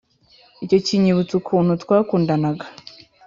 icyo kinyibutsa ukuntu twakundanaga